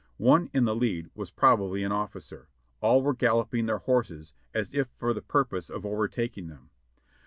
One in the lead was probably an officer; all were galloping their horses as if for the purpose of overtaking them.